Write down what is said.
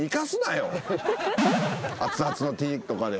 熱々のティーとかで。